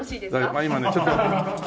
まあ今ねちょっと待って。